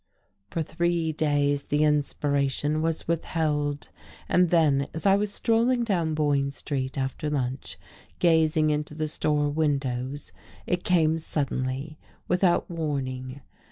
For three days the inspiration was withheld. And then, as I was strolling down Boyne Street after lunch gazing into the store windows it came suddenly, without warning.